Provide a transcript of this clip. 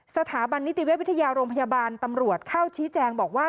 สถาบันนิติเวชวิทยาโรงพยาบาลตำรวจเข้าชี้แจงบอกว่า